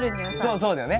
そうそうだよね。